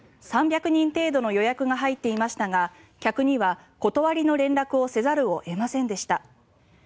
３００人程度の予約が入っていましたが客には断りの連絡をせざるを得ませんでした。